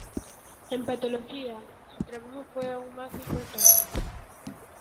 En patología su trabajo fue aún más importante.